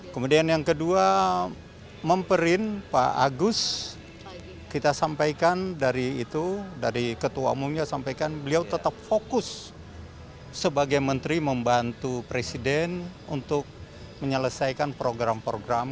kemudian yang kedua memperin pak agus kita sampaikan dari itu dari ketua umumnya sampaikan beliau tetap fokus sebagai menteri membantu presiden untuk menyelesaikan program program